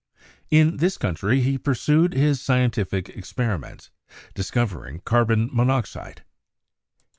In this country he pursued his scientific experiments, dis covering carbon monoxide.